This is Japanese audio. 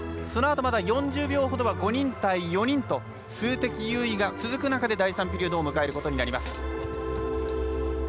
そのあと、まだ４０秒ほどは５人対４人と数的優位が続く中で第３ピリオドを迎えることになります。